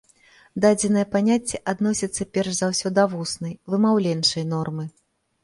Дадзенае паняцце адносіцца перш за ўсе да вуснай, вымаўленчай нормы.